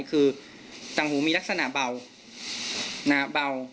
คือต่างหูมีลักษณะเบา